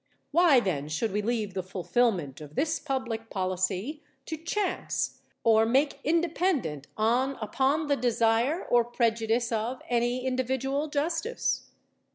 Why then should we leave the fulfillment of this public policy to chance or make independent on upon the desire or prejudice of any individual justice?